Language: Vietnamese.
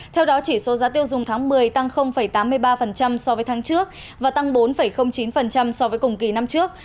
theo đó chỉ số giá tiêu dùng tháng một mươi tăng tám mươi ba so với tháng trước và tăng bốn chín so với cùng kỳ năm trước